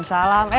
tak ada apa apa